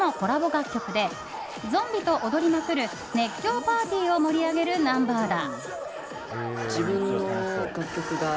楽曲でゾンビと踊りまくる熱狂パーティーを盛り上げるナンバーだ。